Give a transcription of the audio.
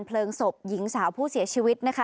เพลิงศพหญิงสาวผู้เสียชีวิตนะคะ